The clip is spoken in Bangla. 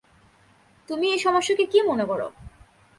তুমি এ সমস্যাকে কী মনে কর?